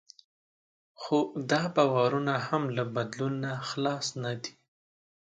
خو دا باورونه هم له بدلون نه خلاص نه دي.